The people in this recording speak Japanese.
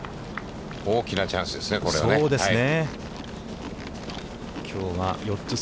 大きなチャンスですね、これはね。